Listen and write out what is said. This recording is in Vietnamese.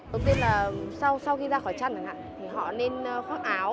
đầu tiên là sau khi ra khỏi trăn thì họ nên khoác áo